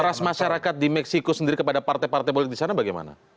trust masyarakat di meksiko sendiri kepada partai partai politik di sana bagaimana